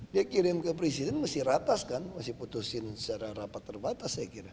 dia kirim ke presiden masih ratas kan masih putusin secara rapat terbatas saya kira